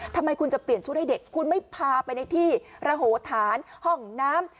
ทำไมคุณจะเปลี่ยนชุดให้เด็กคุณไม่พาไปในที่ระโหฐานห้องน้ำ